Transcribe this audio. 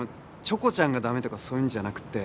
チョコちゃんが駄目とかそういうんじゃなくて。